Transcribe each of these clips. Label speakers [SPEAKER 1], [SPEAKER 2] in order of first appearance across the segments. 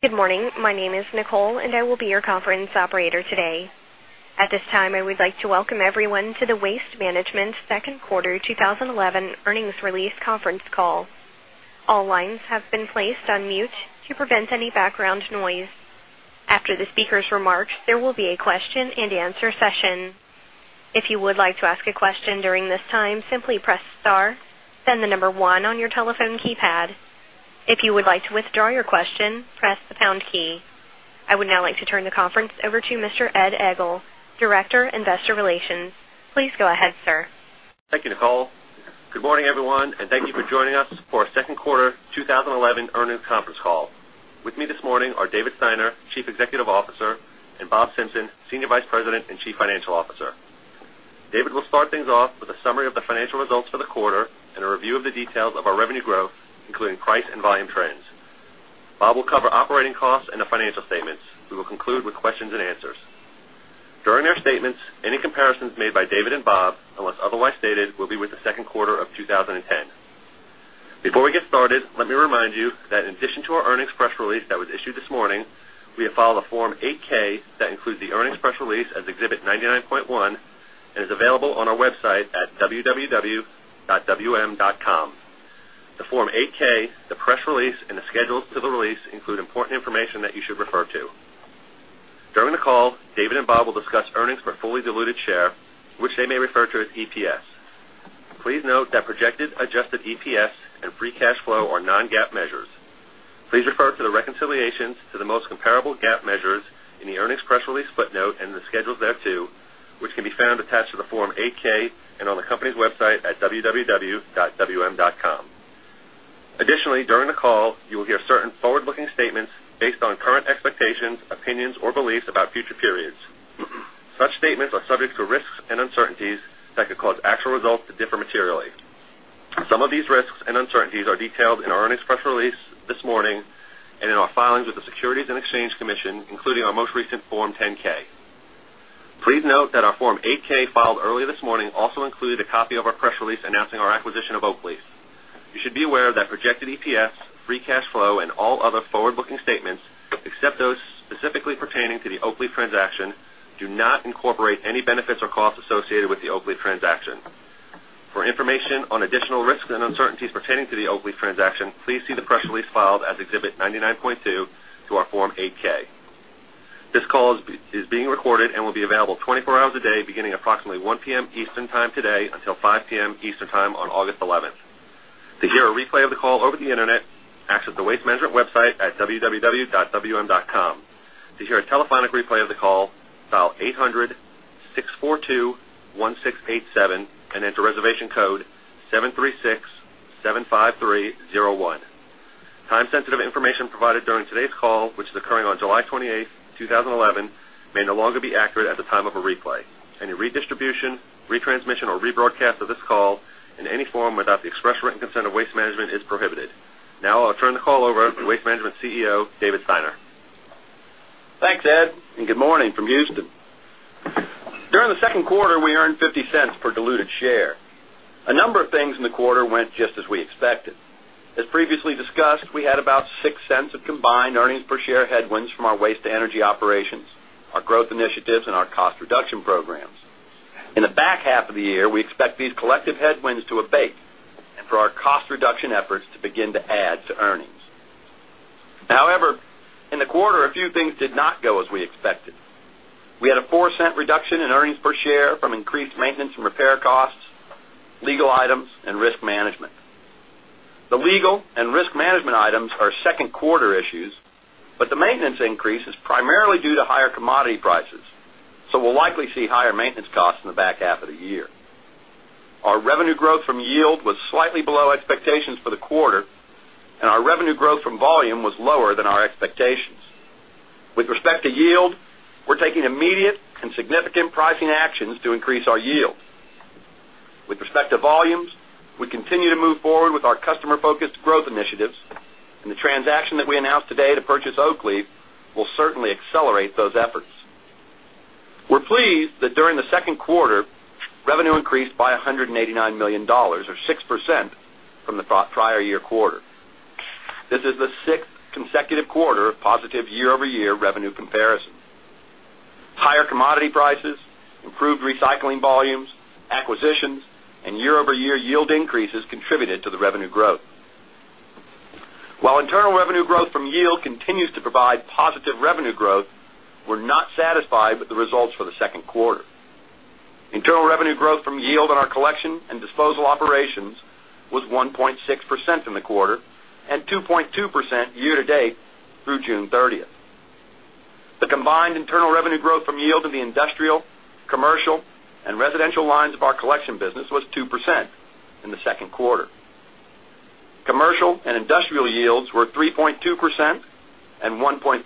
[SPEAKER 1] Good morning. My name is Nicole, and I will be your conference operator today. At this time, I would like to welcome everyone to the Waste Management Second Quarter 2011 Earnings Release Conference Call. All lines have been placed on mute to prevent any background noise. After the speaker's remarks, there will be a question and answer session. If you would like to ask a question during this time, simply press star, then the number one on your telephone keypad. If you would like to withdraw your question, press the pound key. I would now like to turn the conference over to Mr. Ed Egl, Director of Investor Relations. Please go ahead, sir.
[SPEAKER 2] Thank you, Nicole. Good morning, everyone, and thank you for joining us for our Second Quarter 2011 Earnings Conference Call. With me this morning are David Steiner, Chief Executive Officer, and Bob Simpson, Senior Vice President and Chief Financial Officer. David will start things off with a summary of the financial results for the quarter and a review of the details of our revenue growth, including price and volume trends. Bob will cover operating costs and the financial statements. We will conclude with questions and answers. During our statements, any comparisons made by David and Bob, unless otherwise stated, will be with the second quarter of 2010. Before we get started, let me remind you that in addition to our earnings press release that was issued this morning, we have filed a Form 8-K that includes the earnings press release as Exhibit 99.1 and is available on our website at www.wm.com. The Form 8-K, the press release, and the schedule to the release include important information that you should refer to. During the call, David and Bob will discuss earnings for fully diluted share, which they may refer to as EPS. Please note that projected adjusted EPS and free cash flow are non-GAAP measures. Please refer to the reconciliations to the most comparable GAAP measures in the earnings press release footnote and the schedules thereto which can be found attached to the Form 8-K and on the company's website at www.wm.com. Additionally, during the call, you will hear certain forward-looking statements based on current expectations, opinions, or beliefs about future periods. Such statements are subject to risks and uncertainties that could cause actual results to differ materially. Some of these risks and uncertainties are detailed in our earnings press release this morning and in our filings with the Securities and Exchange Commission, including our most recent Form 10-K. Please note that our Form 8-K filed earlier this morning also included a copy of our press release announcing our acquisition of Oakleaf. You should be aware that projected EPS, free cash flow, and all other forward-looking statements, except those specifically pertaining to the Oakleaf transaction, do not incorporate any benefits or costs associated with the Oakleaf transaction. For information on additional risks and uncertainties pertaining to the Oakleaf transaction, please see the press release filed as Exhibit 99.2 to our Form 8-K. This call is being recorded and will be available 24 hours a day, beginning at approximately 1:00 P.M. Eastern Time today until 5:00 P.M. Eastern Time on August 11, 2011. To hear a replay of the call over the internet, access the Waste Management website at www.wm.com. To hear a telephonic replay of the call, dial 800-642-1687 and enter reservation code 736-753-01. Time-sensitive information provided during today's call, which is occurring on July 28, 2011, may no longer be accurate at the time of a replay. Any redistribution, retransmission, or rebroadcast of this call in any form without the express written consent of Waste Management is prohibited. Now I'll turn the call over to Waste Management CEO, David Steiner.
[SPEAKER 3] Thanks, Ed, and good morning from Houston. During the second quarter, we earned $0.50 per diluted share. A number of things in the quarter went just as we expected. As previously discussed, we had about $0.06 of combined earnings per share headwinds from our waste energy operations, our growth initiatives, and our cost reduction programs. In the back half of the year, we expect these collective headwinds to abate and for our cost reduction efforts to begin to add to earnings. However, in the quarter, a few things did not go as we expected. We had a $0.04 reduction in earnings per share from increased maintenance and repair costs, legal items, and risk management. The legal and risk management items are second-quarter issues, but the maintenance increase is primarily due to higher commodity prices, so we'll likely see higher maintenance costs in the back half of the year. Our revenue growth from yield was slightly below expectations for the quarter, and our revenue growth from volume was lower than our expectations. With respect to yield, we're taking immediate and significant pricing actions to increase our yield. With respect to volumes, we continue to move forward with our customer-focused growth initiatives, and the transaction that we announced today to purchase Oakleaf will certainly accelerate those efforts. We're pleased that during the second quarter, revenue increased by $189 million, or 6% from the prior year quarter. This is the sixth consecutive quarter of positive year-over-year revenue comparison. Higher commodity prices, improved recycling volumes, acquisitions, and year-over-year yield increases contributed to the revenue growth. While internal revenue growth from yield continues to provide positive revenue growth, we're not satisfied with the results for the second quarter. Internal revenue growth from yield on our collection and disposal operations was 1.6% in the quarter and 2.2% year to date through June 30. The combined internal revenue growth from yield in the industrial, commercial, and residential lines of our collection business was 2% in the second quarter. Commercial and industrial yields were 3.2% and 1.3%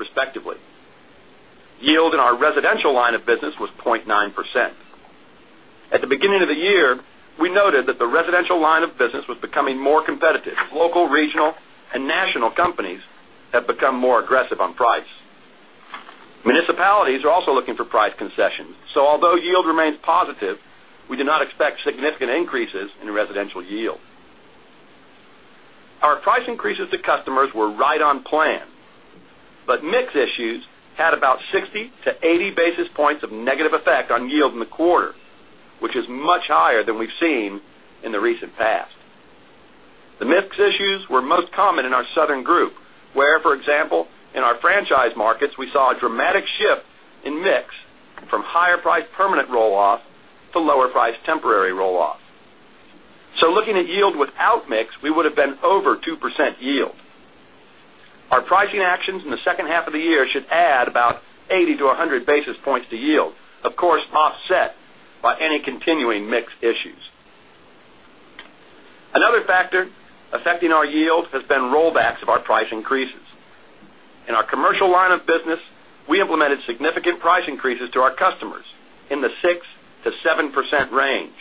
[SPEAKER 3] respectively. Yield in our residential line of business was 0.9%. At the beginning of the year, we noted that the residential line of business was becoming more competitive as local, regional, and national companies have become more aggressive on price. Municipalities are also looking for price concessions, so although yield remains positive, we do not expect significant increases in residential yield. Our price increases to customers were right on plan, but MIPS issues had about 60-80 basis points of negative effect on yield in the quarter, which is much higher than we've seen in the recent past. The MIPS issues were most common in our Southern group, where, for example, in our franchise markets, we saw a dramatic shift in MIPS from higher-priced permanent rolloff to lower-priced temporary rolloff. Looking at yield without MIPS, we would have been over 2% yield. Our pricing actions in the second half of the year should add about 80-100 basis points to yield, of course, offset by any continuing MIPS issues. Another factor affecting our yield has been rollbacks of our price increases. In our commercial line of business, we implemented significant price increases to our customers in the 6%-7% range.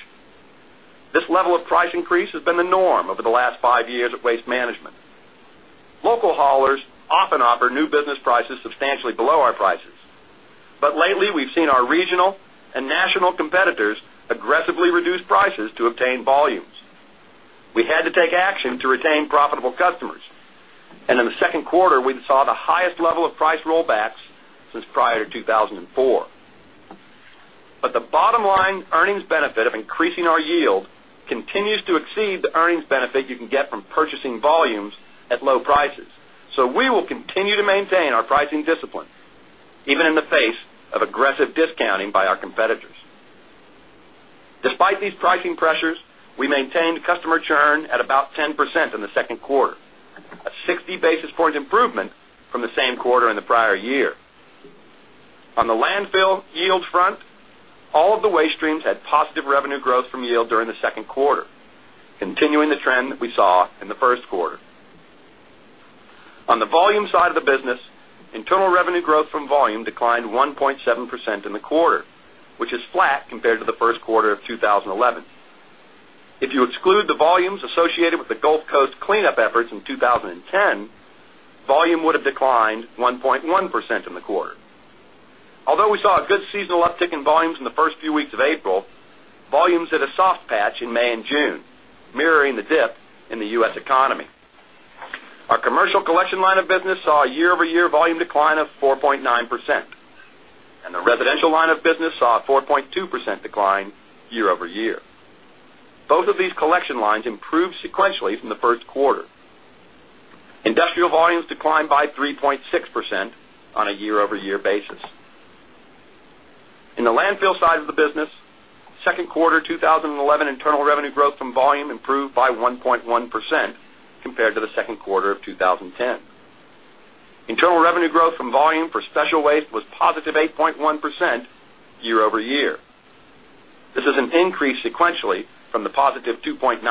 [SPEAKER 3] This level of price increase has been the norm over the last five years of Waste Management. Local haulers often offer new business prices substantially below our prices, but lately, we've seen our regional and national competitors aggressively reduce prices to obtain volumes. We had to take action to retain profitable customers, and in the second quarter, we saw the highest level of price rollbacks since prior to 2004. The bottom-line earnings benefit of increasing our yield continues to exceed the earnings benefit you can get from purchasing volumes at low prices, so we will continue to maintain our pricing discipline even in the face of aggressive discounting by our competitors. Despite these pricing pressures, we maintained customer churn at about 10% in the second quarter, a 60 basis point improvement from the same quarter in the prior year. On the landfill yield front, all of the waste streams had positive revenue growth from yield during the second quarter, continuing the trend that we saw in the first quarter. On the volume side of the business, internal revenue growth from volume declined 1.7% in the quarter, which is flat compared to the first quarter of 2011. If you exclude the volumes associated with the Gulf Coast cleanup efforts in 2010, volume would have declined 1.1% in the quarter. Although we saw a good seasonal uptick in volumes in the first few weeks of April, volumes hit a soft patch in May and June, mirroring the dip in the U.S. economy. Our commercial collection line of business saw a year-over-year volume decline of 4.9%, and the residential line of business saw a 4.2% decline year-over-year. Both of these collection lines improved sequentially from the first quarter. Industrial volumes declined by 3.6% on a year-over-year basis. In the landfill side of the business, second quarter 2011 internal revenue growth from volume improved by 1.1% compared to the second quarter of 2010. Internal revenue growth from volume for special waste was positive 8.1% year-over-year. This is an increase sequentially from the positive 2.9%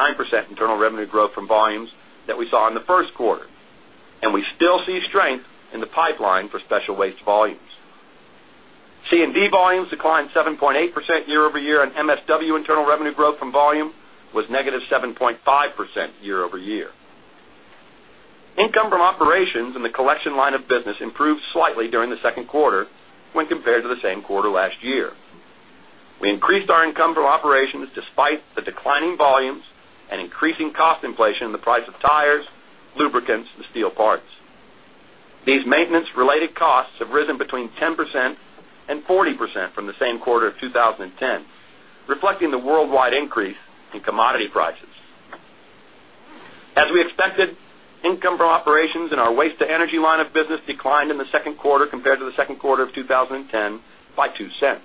[SPEAKER 3] internal revenue growth from volume that we saw in the first quarter, and we still see strength in the pipeline for special waste volumes. C&D volumes declined 7.8% year-over-year, and MSW internal revenue growth from volume was -7.5% year-over-year. Income from operations in the collection line of business improved slightly during the second quarter when compared to the same quarter last year. We increased our income from operations despite the declining volumes and increasing cost inflation in the price of tires, lubricants, and steel parts. These maintenance-related costs have risen between 10% and 40% from the same quarter of 2010, reflecting the worldwide increase in commodity prices. As we expected, income from operations in our waste-to-energy line of business declined in the second quarter compared to the second quarter of 2010 by $0.02.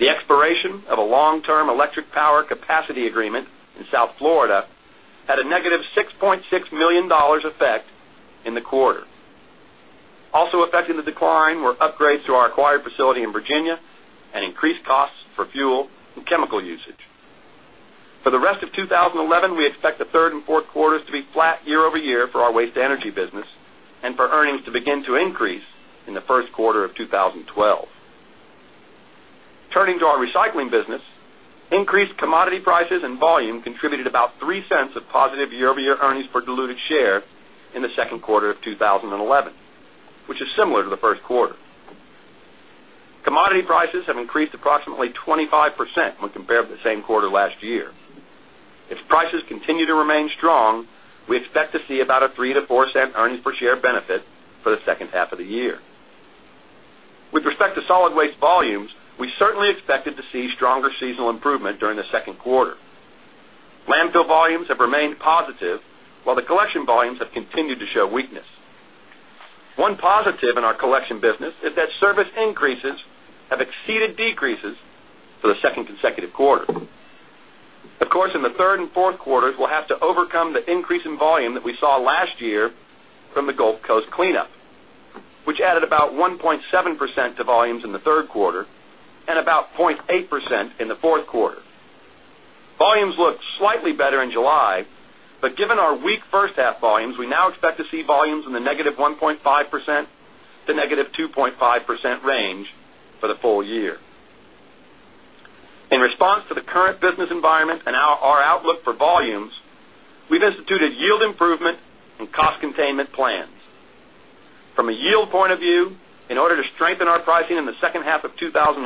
[SPEAKER 3] The expiration of a long-term electric power capacity agreement in South Florida had a negative $6.6 million effect in the quarter. Also affecting the decline were upgrades to our acquired facility in Virginia and increased costs for fuel and chemical usage. For the rest of 2011, we expect the third and fourth quarters to be flat year-over-year for our waste-to-energy business and for earnings to begin to increase in the first quarter of 2012. Turning to our recycling business, increased commodity prices and volume contributed about $0.03 of positive year-over-year earnings per diluted share in the second quarter of 2011, which is similar to the first quarter. Commodity prices have increased approximately 25% when compared to the same quarter last year. If prices continue to remain strong, we expect to see about a $0.03-$0.04 earnings per share benefit for the second half of the year. With respect to solid waste volumes, we certainly expected to see stronger seasonal improvement during the second quarter. Landfill volumes have remained positive, while the collection volumes have continued to show weakness. One positive in our collection business is that service increases have exceeded decreases for the second consecutive quarter. Of course, in the third and fourth quarters, we'll have to overcome the increase in volume that we saw last year from the Gulf Coast cleanup, which added about 1.7% to volumes in the third quarter and about 0.8% in the fourth quarter. Volumes looked slightly better in July, but given our weak first half volumes, we now expect to see volumes in the -1.5% to -2.5% range for the full year. In response to the current business environment and our outlook for volumes, we've instituted yield improvement and cost containment plans. From a yield point of view, in order to strengthen our pricing in the second half of 2011,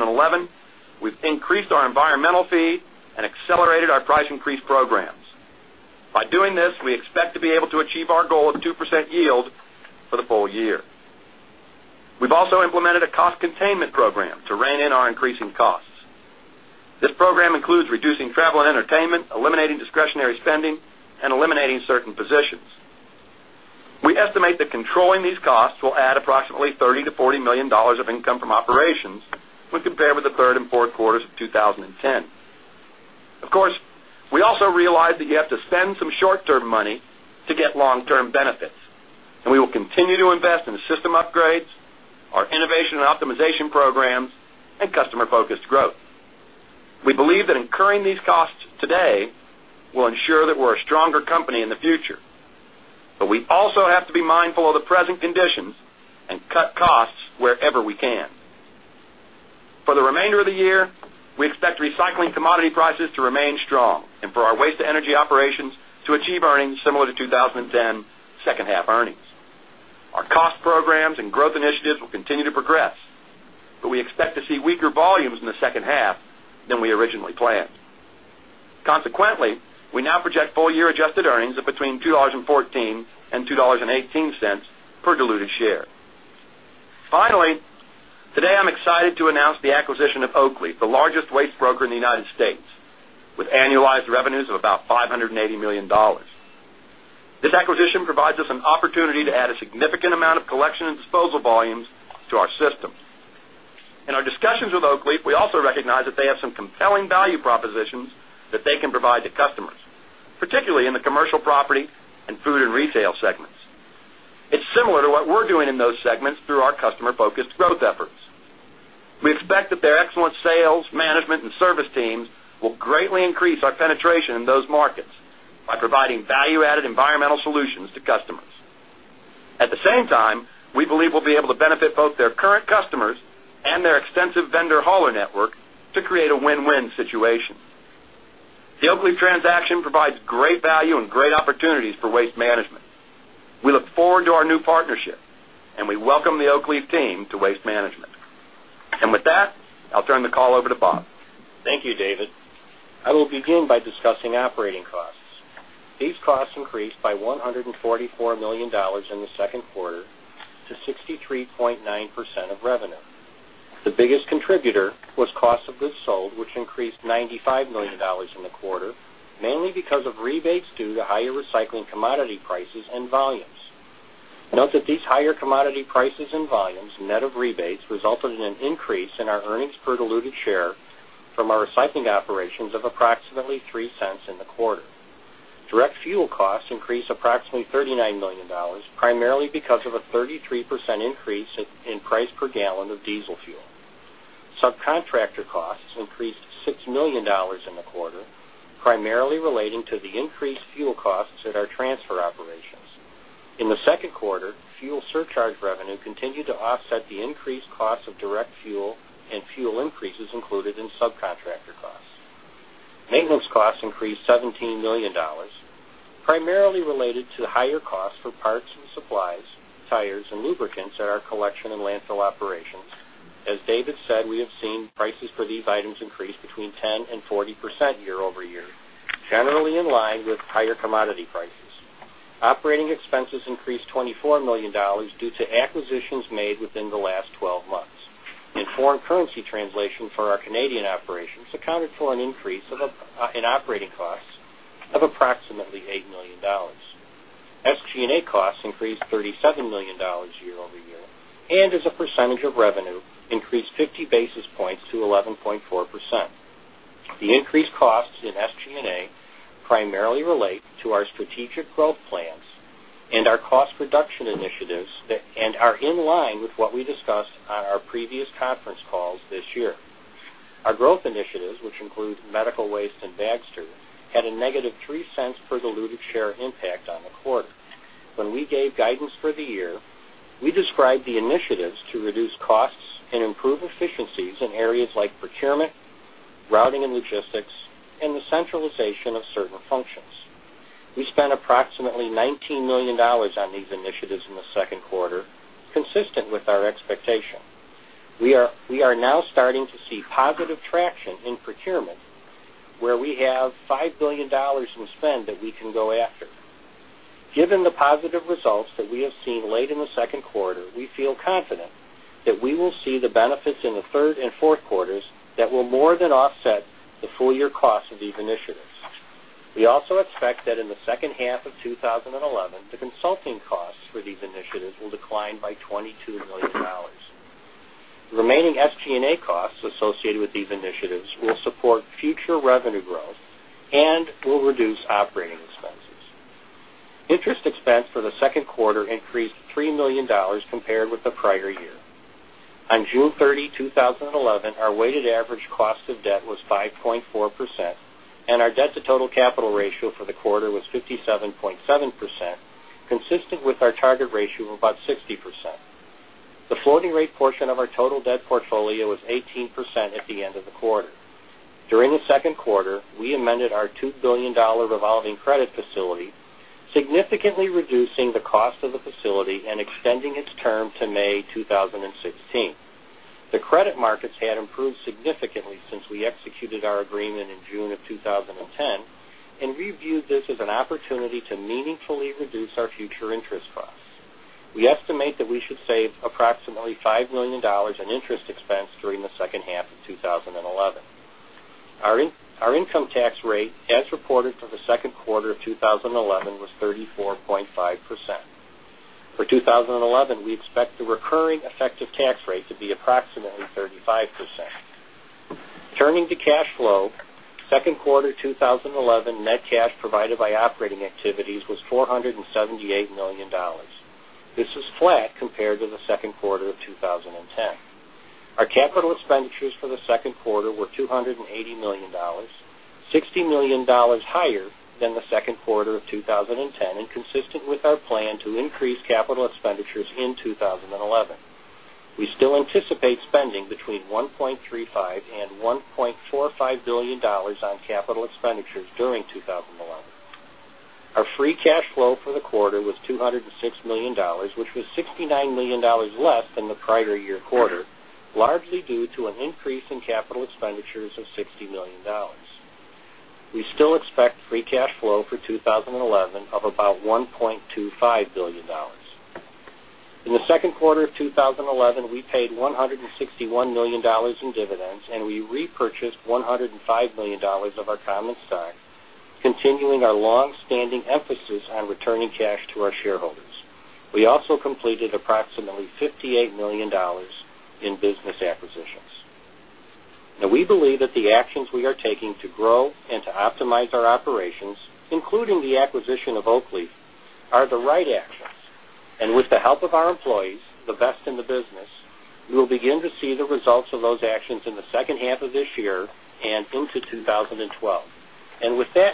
[SPEAKER 3] we've increased our environmental fee and accelerated our price increase programs. By doing this, we expect to be able to achieve our goal of 2% yield for the full year. We've also implemented a cost containment program to rein in our increasing costs. This program includes reducing travel and entertainment, eliminating discretionary spending, and eliminating certain positions. We estimate that controlling these costs will add approximately $30 million-$40 million of income from operations when compared with the third and fourth quarters of 2010. Of course, we also realize that you have to spend some short-term money to get long-term benefits, and we will continue to invest in system upgrades, our innovation and optimization programs, and customer-focused growth. We believe that incurring these costs today will ensure that we're a stronger company in the future, but we also have to be mindful of the present conditions and cut costs wherever we can. For the remainder of the year, we expect recycling commodity prices to remain strong and for our waste-to-energy operations to achieve earnings similar to 2010 second half earnings. Our cost programs and growth initiatives will continue to progress, but we expect to see weaker volumes in the second half than we originally planned. Consequently, we now project full-year adjusted earnings of between $2.14 and $2.18 per diluted share. Finally, today I'm excited to announce the acquisition of Oakleaf, the largest waste broker in the United States, with annualized revenues of about $580 million. This acquisition provides us an opportunity to add a significant amount of collection and disposal volumes to our system. In our discussions with Oakleaf, we also recognize that they have some compelling value propositions that they can provide to customers, particularly in the commercial property and food and retail segments. It's similar to what we're doing in those segments through our customer-focused growth efforts. We expect that their excellent sales, management, and service teams will greatly increase our penetration in those markets by providing value-added environmental solutions to customers. At the same time, we believe we'll be able to benefit both their current customers and their extensive vendor-hauler network to create a win-win situation. The Oakleaf transaction provides great value and great opportunities for Waste Management. We look forward to our new partnership, and we welcome the Oakleaf team to Waste Management. With that, I'll turn the call over to Bob.
[SPEAKER 4] Thank you, David. I will begin by discussing operating costs. These costs increased by $144 million in the second quarter to 63.9% of revenue. The biggest contributor was cost of goods sold, which increased $95 million in the quarter, mainly because of rebates due to higher recycling commodity prices and volumes. Note that these higher commodity prices and volumes net of rebates resulted in an increase in our earnings per diluted share from our recycling operations of approximately $0.03 in the quarter. Direct fuel costs increased approximately $39 million, primarily because of a 33% increase in price per gallon of diesel fuel. Subcontractor costs increased $6 million in the quarter, primarily relating to the increased fuel costs at our transfer operations. In the second quarter, fuel surcharge revenue continued to offset the increased cost of direct fuel and fuel increases included in subcontractor costs. Maintenance costs increased $17 million, primarily related to higher costs for parts and supplies, tires, and lubricants at our collection and landfill operations. As David said, we have seen prices for these items increase between 10% and 40% year-over-year, generally in line with higher commodity prices. Operating expenses increased $24 million due to acquisitions made within the last 12 months. Foreign currency translation for our Canadian operations accounted for an increase in operating costs of approximately $8 million. SG&A costs increased $37 million year-over-year and, as a percentage of revenue, increased 50 basis points to 11.4%. The increased costs in SG&A primarily relate to our strategic growth plans and our cost reduction initiatives that are in line with what we discussed on our previous conference calls this year. Our growth initiatives, which include medical waste management and bag storage, had a -$0.03 per diluted share impact on the quarter. When we gave guidance for the year, we described the initiatives to reduce costs and improve efficiencies in areas like procurement, routing, and logistics, and the centralization of certain functions. We spent approximately $19 million on these initiatives in the second quarter, consistent with our expectation. We are now starting to see positive traction in procurement, where we have $5 billion in spend that we can go after. Given the positive results that we have seen late in the second quarter, we feel confident that we will see the benefits in the third and fourth quarters that will more than offset the full-year costs of these initiatives. We also expect that in the second half of 2011, the consulting costs for these initiatives will decline by $22 million. The remaining SG&A costs associated with these initiatives will support future revenue growth and will reduce operating expenses. Interest expense for the second quarter increased $3 million compared with the prior year. On June 30, 2011, our weighted average cost of debt was 5.4%, and our debt-to-total capital ratio for the quarter was 57.7%, consistent with our target ratio of about 60%. The floating rate portion of our total debt portfolio was 18% at the end of the quarter. During the second quarter, we amended our $2 billion revolving credit facility, significantly reducing the cost of the facility and extending its term to May 2016. The credit markets had improved significantly since we executed our agreement in June of 2010 and viewed this as an opportunity to meaningfully reduce our future interest costs. We estimate that we should save approximately $5 million in interest expense during the second half of 2011. Our income tax rate, as reported for the second quarter of 2011, was 34.5%. For 2011, we expect the recurring effective tax rate to be approximately 35%. Turning to cash flow, in the second quarter of 2011, net cash provided by operating activities was $478 million. This was flat compared to the second quarter of 2010. Our capital expenditures for the second quarter were $280 million, $60 million higher than the second quarter of 2010 and consistent with our plan to increase capital expenditures in 2011. We still anticipate spending between $1.35 billion and $1.45 billion on capital expenditures during 2011. Our free cash flow for the quarter was $206 million, which was $69 million less than the prior year quarter, largely due to an increase in capital expenditures of $60 million. We still expect free cash flow for 2011 of about $1.25 billion. In the second quarter of 2011, we paid $161 million in dividends, and we repurchased $105 million of our common stock, continuing our longstanding emphasis on returning cash to our shareholders. We also completed approximately $58 million in business acquisitions. We believe that the actions we are taking to grow and to optimize our operations, including the acquisition of Oakleaf, are the right actions. With the help of our employees, the best in the business, we will begin to see the results of those actions in the second half of this year and into 2012.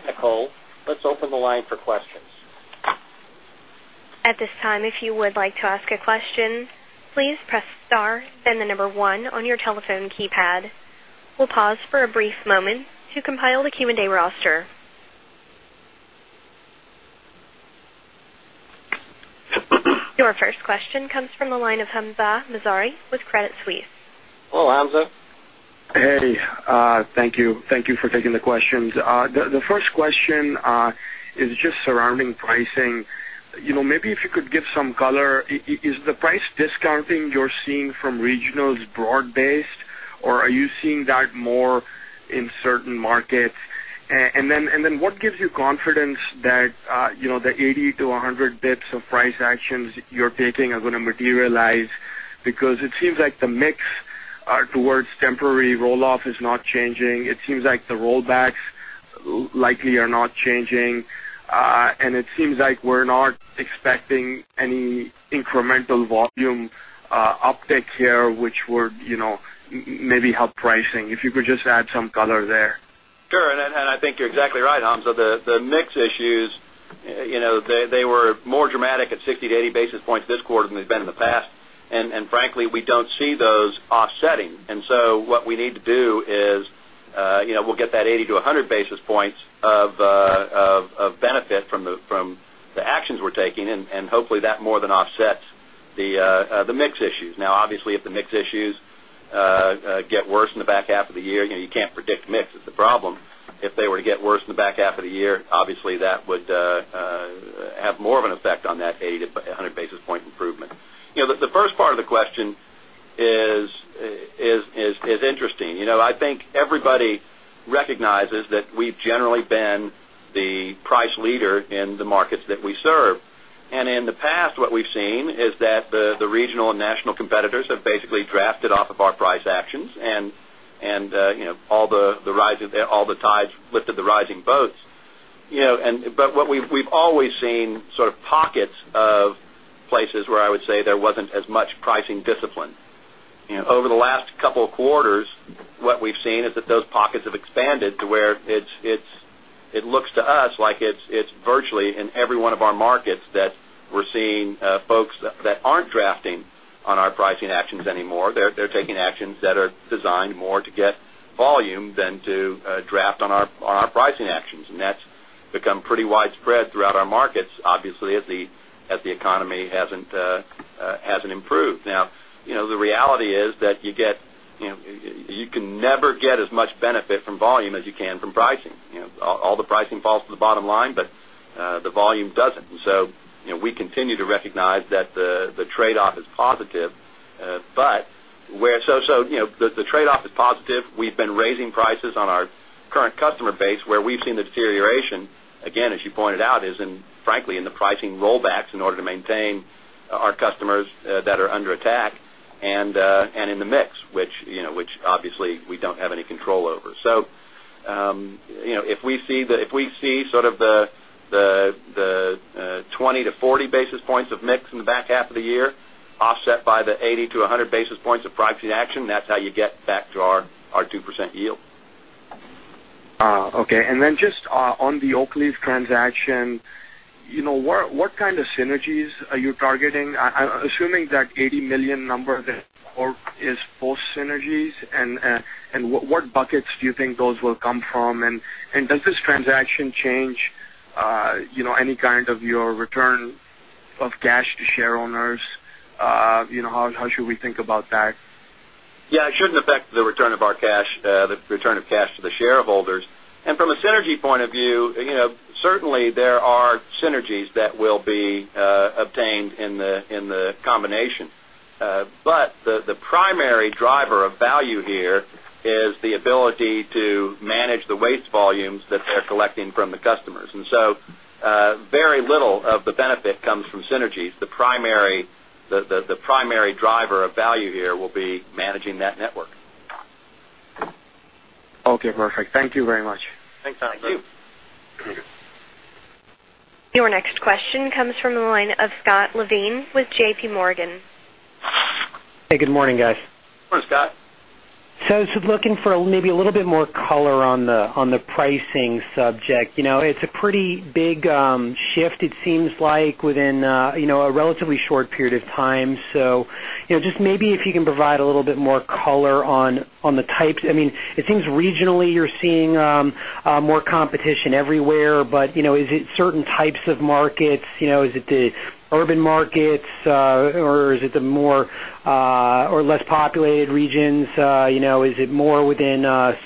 [SPEAKER 4] Nicole, let's open the line for questions.
[SPEAKER 1] At this time, if you would like to ask a question, please press star and the number one on your telephone keypad. We'll pause for a brief moment to compile the Q&A roster. Our first question comes from the line of Hamzah Mazari with Credit Suisse.
[SPEAKER 3] Hello, Hamza.
[SPEAKER 5] Hey, thank you. Thank you for taking the questions. The first question is just surrounding pricing. You know, maybe if you could give some color, is the price discounting you're seeing from regionals broad-based, or are you seeing that more in certain markets? What gives you confidence that the 80 basis points-100 basis points of pricing actions you're taking are going to materialize? It seems like the mix towards temporary rolloff is not changing. It seems like the rollbacks likely are not changing. It seems like we're not expecting any incremental volume uptick here, which would, you know, maybe help pricing. If you could just add some color there.
[SPEAKER 3] Sure. I think you're exactly right, Hamza. The mix issues, you know, they were more dramatic at 60 basis points-80 basis points this quarter than they've been in the past. Frankly, we don't see those offsetting. What we need to do is, you know, we'll get that 80 basis points-100 basis points of benefit from the actions we're taking, and hopefully that more than offsets the mix issues. Obviously, if the mix issues get worse in the back half of the year, you know, you can't predict mix. It's a problem. If they were to get worse in the back half of the year, obviously that would have more of an effect on that 80 basis points-100 basis point improvement. The first part of the question is interesting. I think everybody recognizes that we've generally been the price leader in the markets that we serve. In the past, what we've seen is that the regional and national competitors have basically drafted off of our pricing actions, and, you know, all the rising, all the tides lifted the rising boats. We've always seen sort of pockets of places where I would say there wasn't as much pricing discipline. Over the last couple of quarters, what we've seen is that those pockets have expanded to where it looks to us like it's virtually in every one of our markets that we're seeing folks that aren't drafting on our pricing actions anymore. They're taking actions that are designed more to get volume than to draft on our pricing actions. That's become pretty widespread throughout our markets, obviously, as the economy hasn't improved. The reality is that you get, you know, you can never get as much benefit from volume as you can from pricing. All the pricing falls to the bottom line, but the volume doesn't. We continue to recognize that the trade-off is positive. The trade-off is positive, we've been raising prices on our current customer base. Where we've seen the deterioration, again, as you pointed out, is in, frankly, in the pricing rollbacks in order to maintain our customers that are under attack and in the mix, which, you know, which obviously we don't have any control over. If we see the, if we see sort of the 20 basis points-40 basis points of mix in the back half of the year offset by the 80 basis points-100 basis points of pricing action, that's how you get back to our 2% yield.
[SPEAKER 5] Okay. On the Oakleaf transaction, what kind of synergies are you targeting? I'm assuming that $80 million number is both synergies, and what buckets do you think those will come from? Does this transaction change any kind of your return of cash to shareholders? How should we think about that?
[SPEAKER 3] Yeah, it shouldn't affect the return of our cash, the return of cash to the shareholders. From a synergy point of view, certainly there are synergies that will be obtained in the combination. The primary driver of value here is the ability to manage the waste volumes that they're collecting from the customers. Very little of the benefit comes from synergies. The primary driver of value here will be managing that network.
[SPEAKER 5] Okay, perfect. Thank you very much.
[SPEAKER 3] Thanks, Tom.
[SPEAKER 4] Thank you.
[SPEAKER 1] Your next question comes from the line of Scott Levine with JPMorgan.
[SPEAKER 6] Hey, good morning, guys.
[SPEAKER 3] Morning, Scott.
[SPEAKER 6] I was looking for maybe a little bit more color on the pricing subject. It's a pretty big shift, it seems like, within a relatively short period of time. If you can provide a little bit more color on the types, it seems regionally you're seeing more competition everywhere, but is it certain types of markets? Is it the urban markets, or is it the more or less populated regions? Is it more within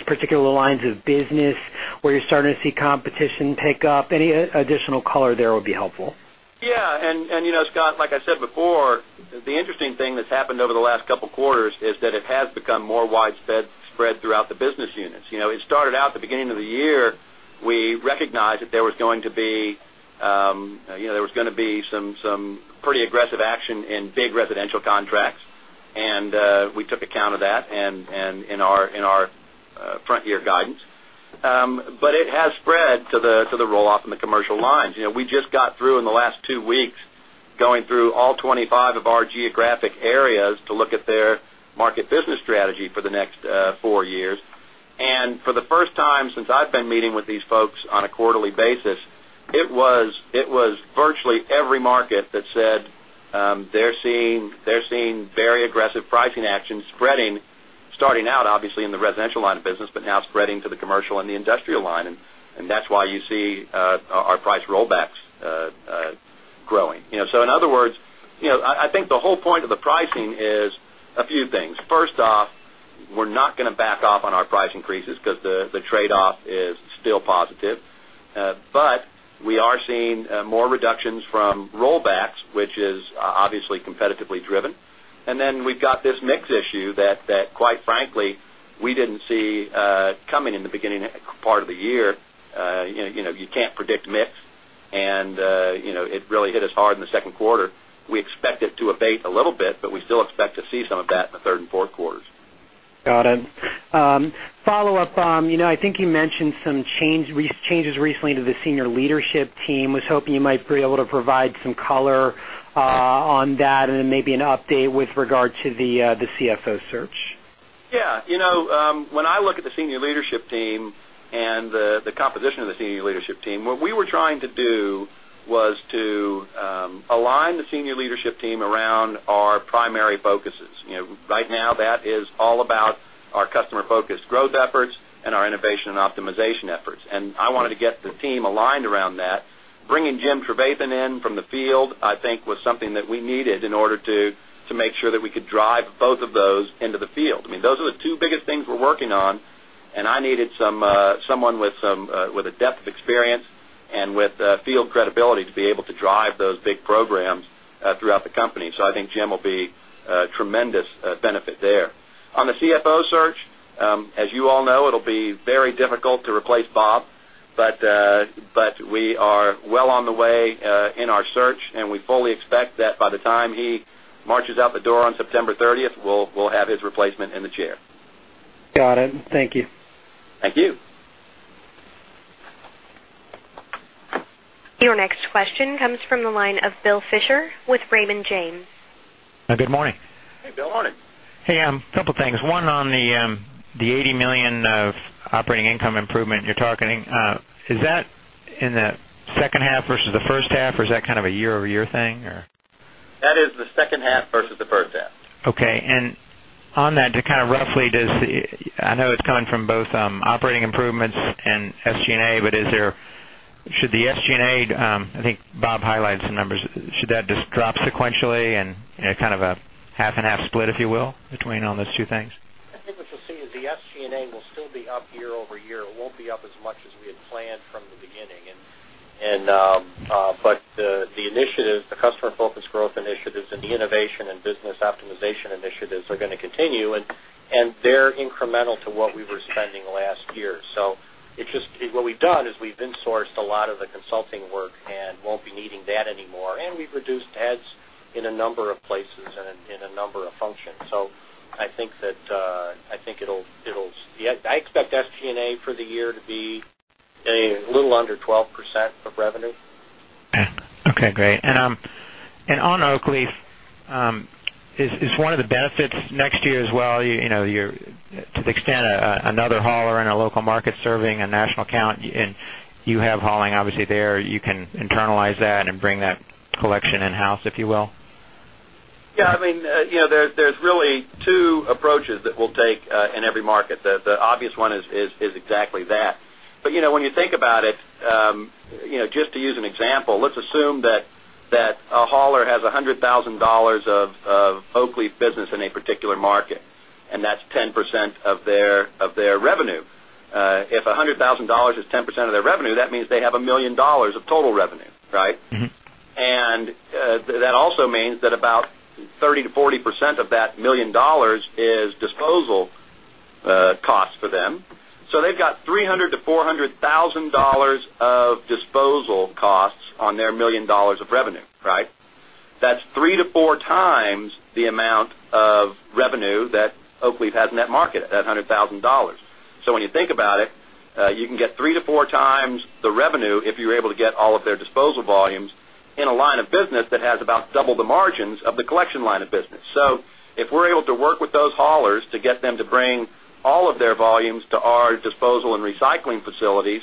[SPEAKER 6] particular lines of business where you're starting to see competition pick up? Any additional color there would be helpful.
[SPEAKER 3] Yeah. You know, Scott, like I said before, the interesting thing that's happened over the last couple of quarters is that it has become more widespread throughout the business units. It started out at the beginning of the year, we recognized that there was going to be some pretty aggressive action in big residential contracts, and we took account of that in our front-year guidance. It has spread to the rolloff in the commercial lines. We just got through in the last two weeks going through all 25 of our geographic areas to look at their market business strategy for the next four years. For the first time since I've been meeting with these folks on a quarterly basis, it was virtually every market that said they're seeing very aggressive pricing actions spreading, starting out obviously in the residential line of business, but now spreading to the commercial and the industrial line. That is why you see our price rollbacks growing. In other words, I think the whole point of the pricing is a few things. First off, we're not going to back off on our price increases because the trade-off is still positive. We are seeing more reductions from rollbacks, which is obviously competitively driven. We've got this mix issue that, quite frankly, we didn't see coming in the beginning part of the year. You can't predict mix, and it really hit us hard in the second quarter. We expect it to abate a little bit, but we still expect to see some of that in the third and fourth quarters.
[SPEAKER 6] Got it. Follow-up, I think you mentioned some changes recently to the Senior Leadership Team. I was hoping you might be able to provide some color on that and maybe an update with regard to the CFO search.
[SPEAKER 3] Yeah. When I look at the senior leadership team and the composition of the senior leadership team, what we were trying to do was to align the senior leadership team around our primary focuses. Right now, that is all about our customer-focused growth efforts and our innovation and optimization efforts. I wanted to get the team aligned around that. Bringing Jim Trevathan in from the field, I think, was something that we needed in order to make sure that we could drive both of those into the field. I mean, those are the two biggest things we're working on, and I needed someone with a depth of experience and with field credibility to be able to drive those big programs throughout the company. I think Jim will be a tremendous benefit there. On the CFO search, as you all know, it'll be very difficult to replace Bob, but we are well on the way in our search, and we fully expect that by the time he marches out the door on September 30, we'll have his replacement in the chair.
[SPEAKER 6] Got it. Thank you.
[SPEAKER 3] Thank you.
[SPEAKER 1] Your next question comes from the line of Bill Fisher with Raymond James.
[SPEAKER 7] Good morning.
[SPEAKER 3] Hey, Bill. Morning.
[SPEAKER 7] Hey, a couple of things. One, on the $80 million of operating income improvement you're targeting, is that in the second half versus the first half, or is that kind of a year-over-year thing, or?
[SPEAKER 3] That is the second half versus the first half.
[SPEAKER 7] Okay. On that, kind of roughly, does the—I know it's coming from both operating improvements and SG&A, but should the SG&A—I think Bob highlights the numbers—should that just drop sequentially in kind of a half-and-half split, if you will, between all those two things?
[SPEAKER 3] I think what you'll see is the SG&A will still be up year-over-year. It won't be up as much as we had planned from the beginning. The initiatives, the customer-focused growth initiatives and the innovation and business optimization initiatives are going to continue, and they're incremental to what we were spending last year. What we've done is we've insourced a lot of the consulting work and won't be needing that anymore. We've reduced heads in a number of places and in a number of functions. I expect SG&A for the year to be a little under 12% of revenue.
[SPEAKER 7] Okay, great. On Oakleaf, is one of the benefits next year as well, to the extent another hauler in a local market is serving a national account, and you have hauling obviously there, you can internalize that and bring that collection in-house, if you will?
[SPEAKER 3] Yeah. I mean, you know, there's really two approaches that we'll take in every market. The obvious one is exactly that. When you think about it, just to use an example, let's assume that a hauler has $100,000 of Oakleaf business in a particular market, and that's 10% of their revenue. If $100,000 is 10% of their revenue, that means they have $1 million of total revenue, right?
[SPEAKER 7] Mm-hmm.
[SPEAKER 3] That also means that about 30%-40% of that $1 million is disposal costs for them. They've got $300,000-$400,000 of disposal costs on their $1 million of revenue, right? That's 3x-4x the amount of revenue that Oakleaf has in that market, at that $100,000. When you think about it, you can get 3x-4x the revenue if you're able to get all of their disposal volumes in a line of business that has about double the margins of the collection line of business. If we're able to work with those haulers to get them to bring all of their volumes to our disposal and recycling facilities,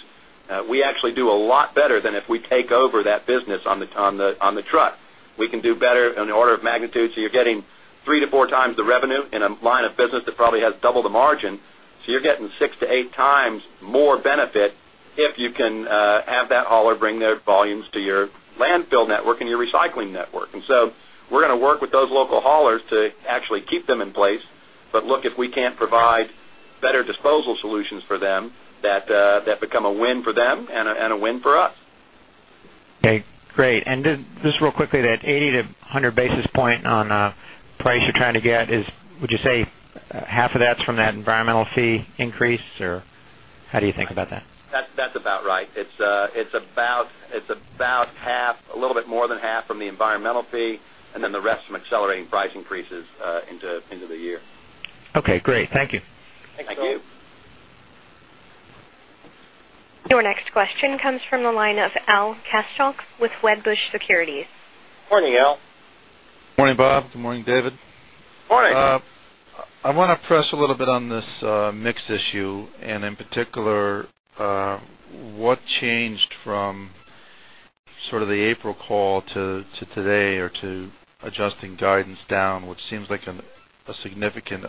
[SPEAKER 3] we actually do a lot better than if we take over that business on the truck. We can do better in the order of magnitude. You're getting 3x-4x the revenue in a line of business that probably has double the margin. You're getting 6x-8x more benefit if you can have that hauler bring their volumes to your landfill network and your recycling network. We're going to work with those local haulers to actually keep them in place. If we can't provide better disposal solutions for them, that becomes a win for them and a win for us.
[SPEAKER 7] Okay, great. Just real quickly, that 80 basis points-100 basis points on price you're trying to get, would you say half of that's from that environmental fee increase, or how do you think about that?
[SPEAKER 3] That's about right. It's about half, a little bit more than half from the environmental fee, and then the rest from accelerating price increases into the year.
[SPEAKER 7] Okay, great. Thank you.
[SPEAKER 3] Thank you.
[SPEAKER 4] Thank you.
[SPEAKER 1] Your next question comes from the line of Al Kaschalk with Wedbush Securities.
[SPEAKER 4] Morning, Al.
[SPEAKER 8] Morning, Bob. Good morning, David.
[SPEAKER 3] Morning.
[SPEAKER 8] I want to press a little bit on this mix issue, and in particular, what changed from sort of the April call to today or to adjusting guidance down, which seems like a significant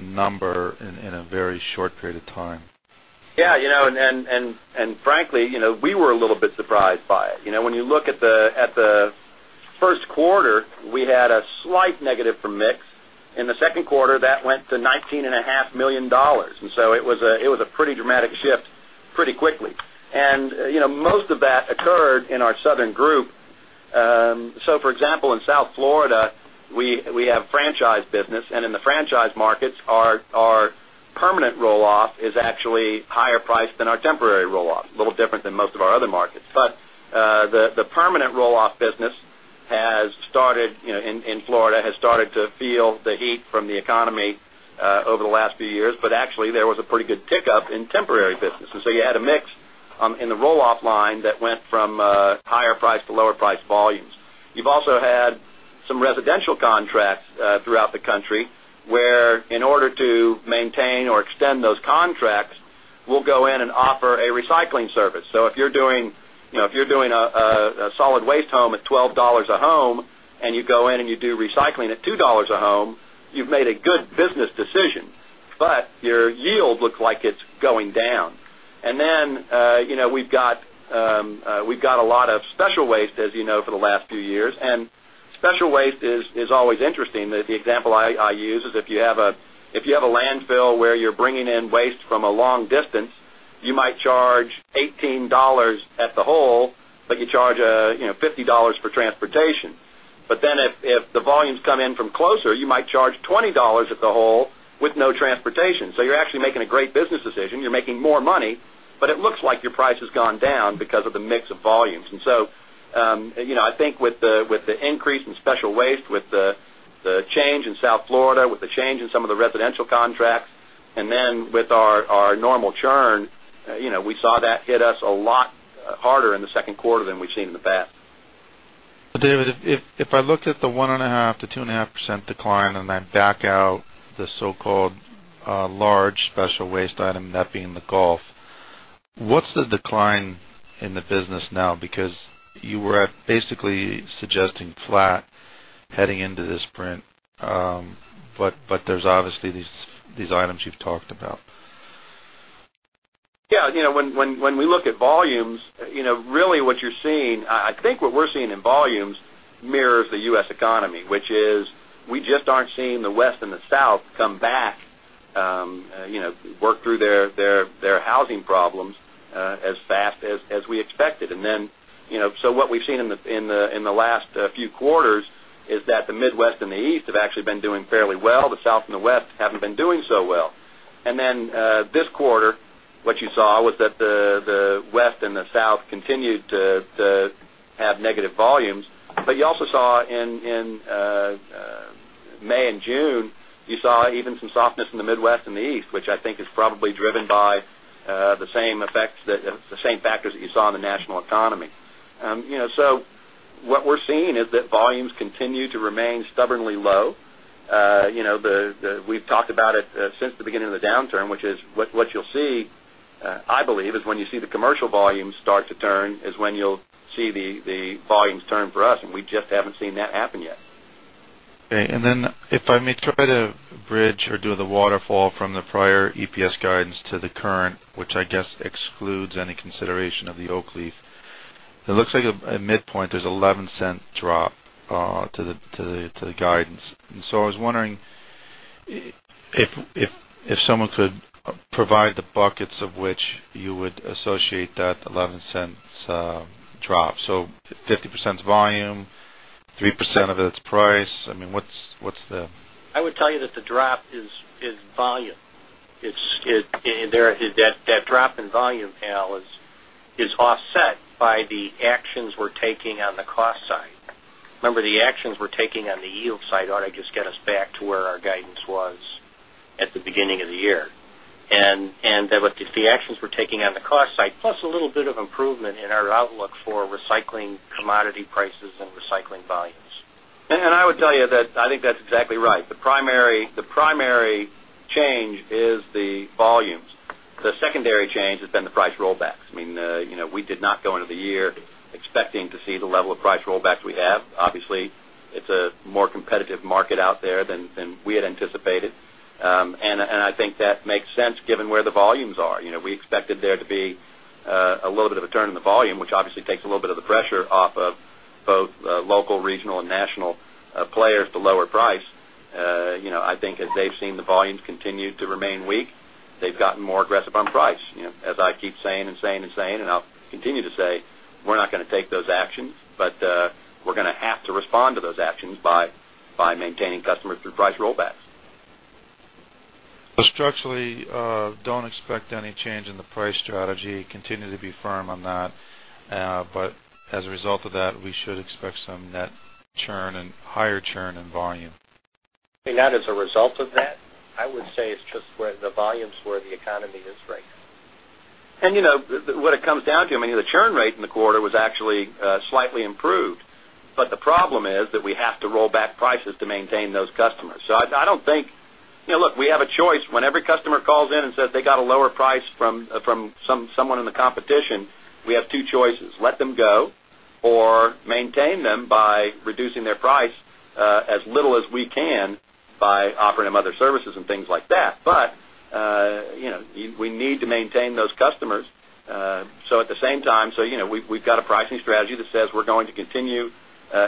[SPEAKER 8] number in a very short period of time?
[SPEAKER 3] Yeah, you know, we were a little bit surprised by it. When you look at the first quarter, we had a slight negative for mix. In the second quarter, that went to $19.5 million. It was a pretty dramatic shift pretty quickly. Most of that occurred in our southern group. For example, in South Florida, we have franchise business, and in the franchise markets, our permanent rolloff is actually higher priced than our temporary rolloff, a little different than most of our other markets. The permanent rolloff business has started, in Florida, to feel the heat from the economy over the last few years. There was a pretty good pickup in temporary business. You had a mix in the rolloff line that went from higher price to lower price volumes. You've also had some residential contracts throughout the country where, in order to maintain or extend those contracts, we'll go in and offer a recycling service. If you're doing a solid waste home at $12 a home, and you go in and you do recycling at $2 a home, you've made a good business decision, but your yield looks like it's going down. We've got a lot of special waste, as you know, for the last few years. Special waste is always interesting. The example I use is if you have a landfill where you're bringing in waste from a long distance, you might charge $18 at the hole, but you charge $50 for transportation. If the volumes come in from closer, you might charge $20 at the hole with no transportation. You're actually making a great business decision. You're making more money, but it looks like your price has gone down because of the mix of volumes. I think with the increase in special waste, with the change in South Florida, with the change in some of the residential contracts, and with our normal churn, we saw that hit us a lot harder in the second quarter than we've seen in the past.
[SPEAKER 8] David, if I looked at the 1.5%-2.5% decline and I back out the so-called large special waste item, that being the golf, what's the decline in the business now? You were basically suggesting flat heading into this print, but there's obviously these items you've talked about.
[SPEAKER 3] Yeah, you know, when we look at volumes, what you're seeing, I think what we're seeing in volumes mirrors the U.S. economy, which is we just aren't seeing the West and the South come back, work through their housing problems as fast as we expected. What we've seen in the last few quarters is that the Midwest and the East have actually been doing fairly well. The South and the West haven't been doing so well. This quarter, what you saw was that the West and the South continued to have negative volumes. You also saw in May and June, you saw even some softness in the Midwest and the East, which I think is probably driven by the same effects, the same factors that you saw in the national economy. What we're seeing is that volumes continue to remain stubbornly low. We've talked about it since the beginning of the downturn, which is what you'll see, I believe, is when you see the commercial volumes start to turn, is when you'll see the volumes turn for us. We just haven't seen that happen yet.
[SPEAKER 8] Okay. If I may try to bridge or do the waterfall from the prior EPS guidance to the current, which I guess excludes any consideration of Oakleaf, it looks like at midpoint there's an $0.11 drop to the guidance. I was wondering if someone could provide the buckets of which you would associate that $0.11 drop. 50% volume, 3% of it's price. I mean, what's the?
[SPEAKER 4] I would tell you that the drop is volume. That drop in volume, Al, is offset by the actions we're taking on the cost side. Remember, the actions we're taking on the yield side ought to just get us back to where our guidance was at the beginning of the year. If the actions we're taking on the cost side, plus a little bit of improvement in our outlook for recycling commodity prices and recycling volumes.
[SPEAKER 3] I would tell you that I think that's exactly right. The primary change is the volumes. The secondary change has been the price rollbacks. I mean, we did not go into the year expecting to see the level of price rollbacks we have. Obviously, it's a more competitive market out there than we had anticipated. I think that makes sense given where the volumes are. We expected there to be a little bit of a turn in the volume, which obviously takes a little bit of the pressure off of both the local, regional, and national players to lower price. I think as they've seen the volumes continue to remain weak, they've gotten more aggressive on price. As I keep saying and saying and saying, and I'll continue to say, we're not going to take those actions, but we're going to have to respond to those actions by maintaining customers through price rollbacks.
[SPEAKER 8] Structurally, don't expect any change in the price strategy. Continue to be firm on that. As a result of that, we should expect some net churn and higher churn in volume.
[SPEAKER 4] I mean, not as a result of that. I would say it's just where the volumes, where the economy is right now.
[SPEAKER 3] You know, what it comes down to, the churn rate in the quarter was actually slightly improved. The problem is that we have to roll back prices to maintain those customers. I don't think, you know, look, we have a choice. When every customer calls in and says they got a lower price from someone in the competition, we have two choices: let them go or maintain them by reducing their price as little as we can by offering them other services and things like that. We need to maintain those customers. At the same time, we've got a pricing strategy that says we're going to continue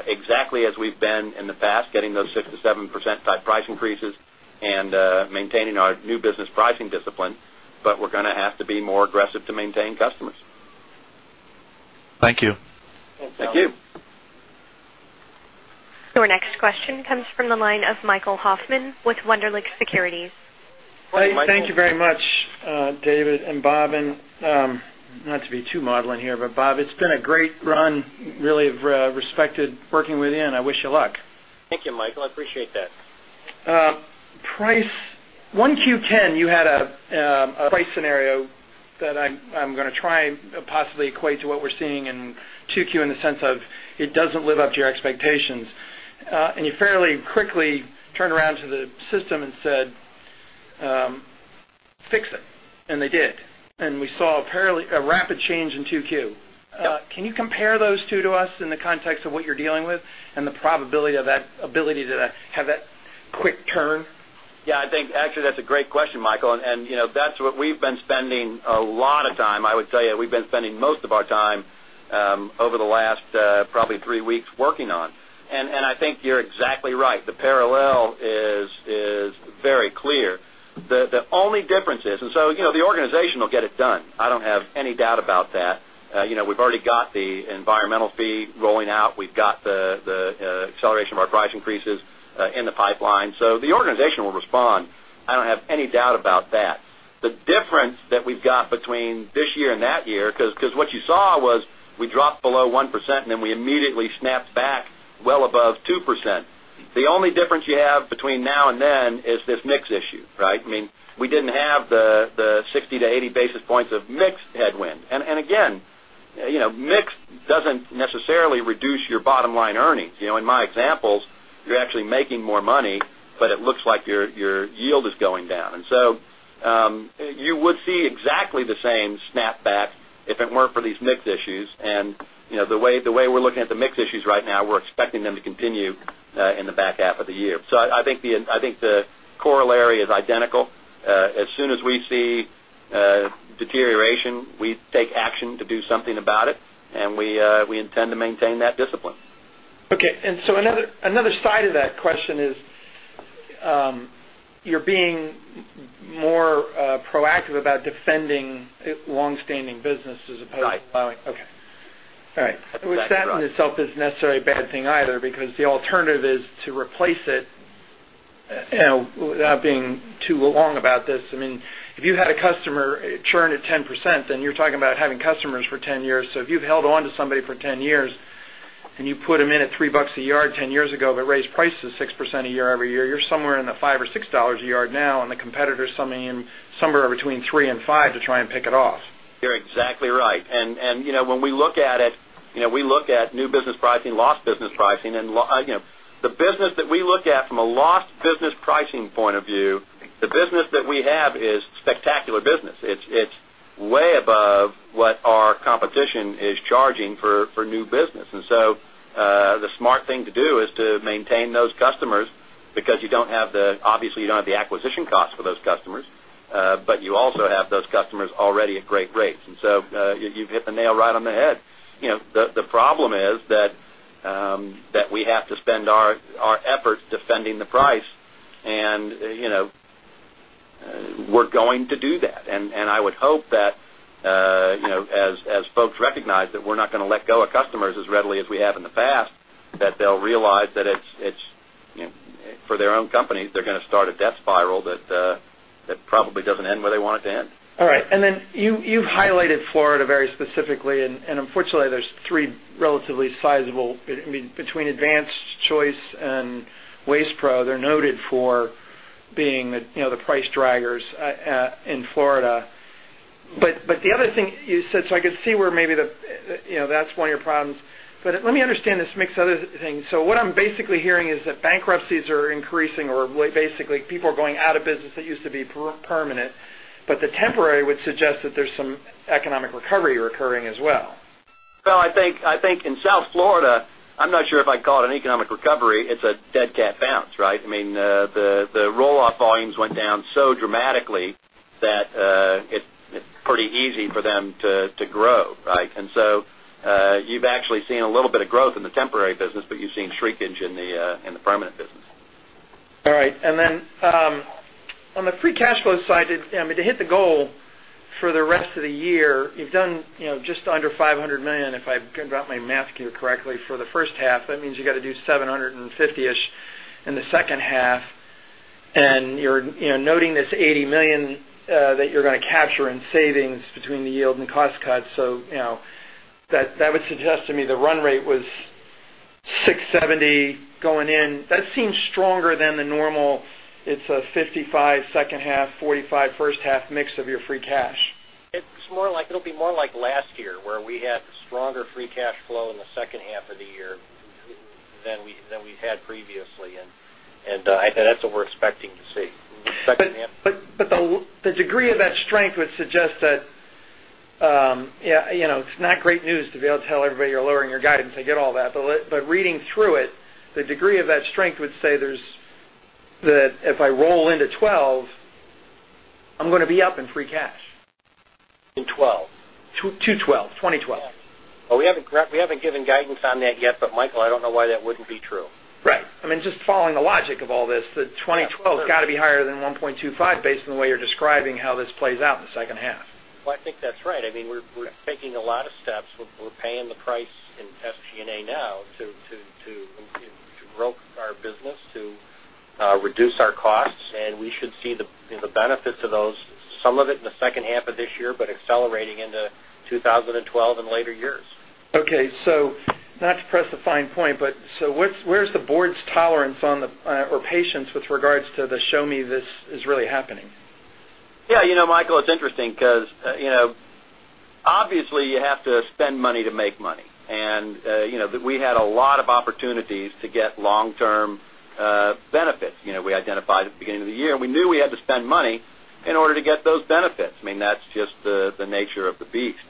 [SPEAKER 3] exactly as we've been in the past, getting those 6%-7% type price increases and maintaining our new business pricing discipline. We're going to have to be more aggressive to maintain customers.
[SPEAKER 4] Thank you.
[SPEAKER 3] Thank you.
[SPEAKER 4] Thank you.
[SPEAKER 1] Your next question comes from the line of Michael Hoffman with Wunderlich Securities.
[SPEAKER 9] Thank you very much, David. Bob, not to be too maudlin here, but Bob, it's been a great run. Really respected working with you, and I wish you luck.
[SPEAKER 4] Thank you, Michael. I appreciate that.
[SPEAKER 9] Price 1Q 2010, you had a price scenario that I'm going to try and possibly equate to what we're seeing in 2Q in the sense of it doesn't live up to your expectations. You fairly quickly turned around to the system and said, "Fix it." They did, and we saw a rapid change in 2Q. Can you compare those two to us in the context of what you're dealing with and the probability of that ability to have that quick turn?
[SPEAKER 3] Yeah, I think actually that's a great question, Michael. That's what we've been spending a lot of time, I would tell you, we've been spending most of our time over the last probably three weeks working on. I think you're exactly right. The parallel is very clear. The only difference is, you know, the organization will get it done. I don't have any doubt about that. We've already got the environmental fee rolling out. We've got the acceleration of our price increases in the pipeline. The organization will respond. I don't have any doubt about that. The difference that we've got between this year and that year, because what you saw was we dropped below 1% and then we immediately snapped back well above 2%. The only difference you have between now and then is this mix issue, right? I mean, we didn't have the 60 basis points-80 basis points of mix headwind. Again, mix doesn't necessarily reduce your bottom line earnings. In my examples, you're actually making more money, but it looks like your yield is going down. You would see exactly the same snapback if it weren't for these mix issues. The way we're looking at the mix issues right now, we're expecting them to continue in the back half of the year. I think the corollary is identical. As soon as we see deterioration, we take action to do something about it, and we intend to maintain that discipline.
[SPEAKER 9] Okay. Another side of that question is you're being more proactive about defending long-standing business as opposed to allowing.
[SPEAKER 3] Right.
[SPEAKER 9] Okay. All right. Which that in itself isn't necessarily a bad thing either, because the alternative is to replace it. If you had a customer churn at 10%, then you're talking about having customers for 10 years. If you've held on to somebody for 10 years and you put them in at $3 a yard 10 years ago, but raised prices 6% a year-every-year, you're somewhere in the $5 or $6 a yard now, and the competitor is summing them somewhere between $3 and $5 to try and pick it off.
[SPEAKER 3] You're exactly right. When we look at it, we look at new business pricing, lost business pricing, and the business that we look at from a lost business pricing point of view, the business that we have is spectacular business. It's way above what our competition is charging for new business. The smart thing to do is to maintain those customers because you don't have the acquisition costs for those customers, but you also have those customers already at great rates. You've hit the nail right on the head. The problem is that we have to spend our efforts defending the price, and we're going to do that. I would hope that as folks recognize that we're not going to let go of customers as readily as we have in the past, they'll realize that for their own companies, they're going to start a death spiral that probably doesn't end where they want it to end.
[SPEAKER 9] All right. You've highlighted Florida very specifically, and unfortunately, there are three relatively sizable, I mean, between Advanced Choice and WastePro. They're noted for being the, you know, the price draggers in Florida. The other thing you said, I can see where maybe that's one of your problems. Let me understand this mixed other thing. What I'm basically hearing is that bankruptcies are increasing, or basically, people are going out of business that used to be permanent. The temporary would suggest that there's some economic recovery recurring as well.
[SPEAKER 3] In South Florida, I'm not sure if I'd call it an economic recovery. It's a dead cat bounce, right? I mean, the rolloff volumes went down so dramatically that it's pretty easy for them to grow, right? You've actually seen a little bit of growth in the temporary business, but you've seen shrinkage in the permanent business.
[SPEAKER 9] All right. On the free cash flow side, to hit the goal for the rest of the year, you've done just under $500 million, if I can drop my math here correctly, for the first half. That means you have to do $750 million-ish in the second half. You're noting this $80 million that you're going to capture in savings between the yield and cost cuts. That would suggest to me the run rate was $670 million going in. That seems stronger than normal. It's a 55% second half, 45% first half mix of your free cash.
[SPEAKER 3] It'll be more like last year where we had the stronger free cash flow in the second half of the year than we had previously. I think that's what we're expecting to see.
[SPEAKER 9] The degree of that strength would suggest that, you know, it's not great news to be able to tell everybody you're lowering your guidance. I get all that. Reading through it, the degree of that strength would say that if I roll into 2012, I'm going to be up in free cash.
[SPEAKER 3] In 2012?
[SPEAKER 9] 2/12, 2012.
[SPEAKER 3] We haven't given guidance on that yet, but Michael, I don't know why that wouldn't be true.
[SPEAKER 9] Right. I mean, just following the logic of all this, 2012 has got to be higher than $1.25 billion based on the way you're describing how this plays out in the second half.
[SPEAKER 3] I think that's right. I mean, we're taking a lot of steps. We're paying the price in SG&A now to grow our business, to reduce our cost, and we should see the benefits of those, some of it in the second half of this year, but accelerating into 2012 and later years.
[SPEAKER 9] Okay. Not to press a fine point, where's the board's tolerance or patience with regards to the show me this is really happening?
[SPEAKER 3] Yeah, you know, Michael, it's interesting because, obviously, you have to spend money to make money. We had a lot of opportunities to get long-term benefits. We identified at the beginning of the year, and we knew we had to spend money in order to get those benefits. I mean, that's just the nature of the beast.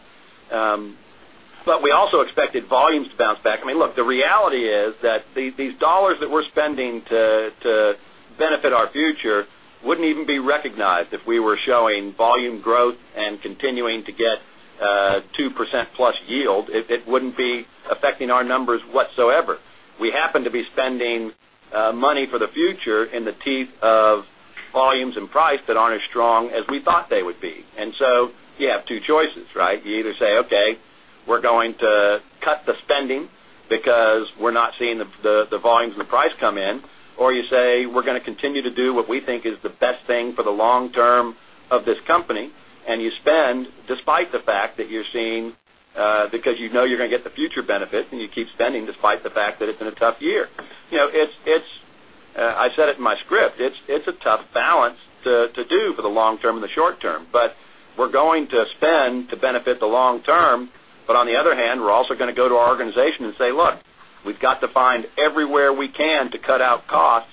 [SPEAKER 3] We also expected volumes to bounce back. Look, the reality is that these dollars that we're spending to benefit our future wouldn't even be recognized if we were showing volume growth and continuing to get 2%+ yield. It wouldn't be affecting our numbers whatsoever. We happen to be spending money for the future in the teeth of volumes and price that aren't as strong as we thought they would be. You have two choices, right? You either say, okay, we're going to cut the spending because we're not seeing the volumes and the price come in, or you say we're going to continue to do what we think is the best thing for the long term of this company. You spend despite the fact that you're seeing, because you know you're going to get the future benefits, and you keep spending despite the fact that it's in a tough year. I said it in my script, it's a tough balance to do for the long term and the short term. We're going to spend to benefit the long term. On the other hand, we're also going to go to our organization and say, look, we've got to find everywhere we can to cut out costs